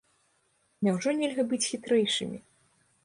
Няўжо нельга быць хітрэйшымі?